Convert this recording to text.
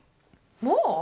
もう？